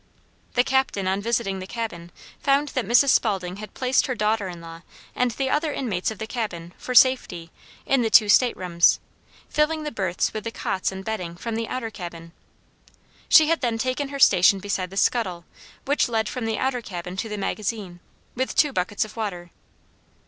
The captain on visiting the cabin, found that Mrs. Spalding had placed her daughter in law and the other inmates of the cabin, for safety, in the two state rooms, filling the berths with the cots and bedding from the outer cabin. She had then taken her station beside the scuttle, which led from the outer cabin to the magazine, with two buckets of water.